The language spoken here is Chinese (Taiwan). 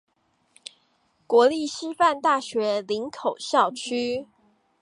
國立師範大學林口校區